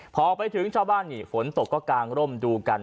พอไปถึงชาวบ้านนี่ฝนตกก็กางร่มดูกัน